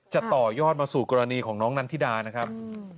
จะต่อยอดมาสู่กรณีของน้องนันทิดานะครับ